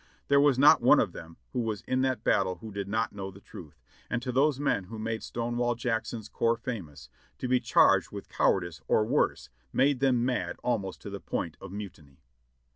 There was not one of them who was in that battle who did not know the truth; and to those men who made Stonewall Jack son's corps famous, to be charged with cowardice or worse, made them mad almost to the point of mutiny.